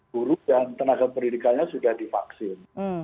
guru dan tenaga pendidikannya sudah di vaksin